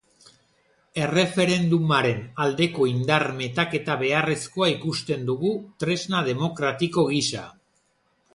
Erreferendumaren aldeko indar metaketa beharrezkoa ikusten dugu, tresna demokratiko gisa.